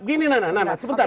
gini nana nana sebentar